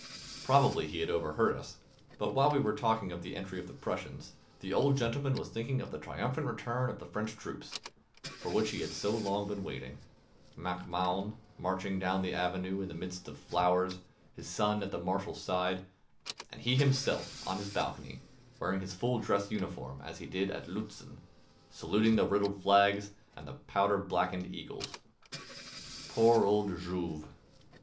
Probably he had overheard us; but while we were talking of the entry of the Prussians, the old gentleman was thinking of the triumphant return of the French troops, for which he had so long been waiting Mac Mahon marching down the avenue in the midst of flowers, his son at the marshal's side, and he himself on his balcony wearing his full dress uniform as he did at Lutzen, saluting the riddled flags and the powder blackened eagles. Poor old Jouve!